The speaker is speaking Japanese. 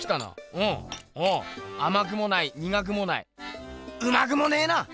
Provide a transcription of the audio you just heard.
うんおおあまくもないにがくもないうまくもねえな！